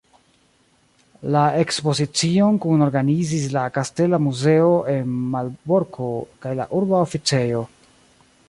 La ekspozicion kunorganizis la Kastela Muzeo en Malborko kaj la Urba Oficejo.